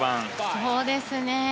そうですね。